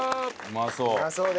うまそう。